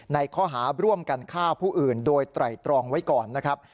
ในข้อหาร่วมกันฆ่าผู้อื่นโดยไตรตรองไว้ก่อนนะครับ